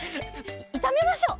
いためましょう！